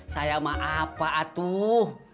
sayang mah apa atuh